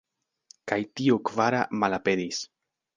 Kaj tiu kvara malaperis.